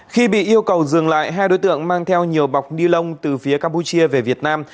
khi bị yêu cầu dừng lại hai đối tượng mang theo nhiều bọc ni lông từ phía campuchia về việt nam